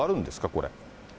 これ。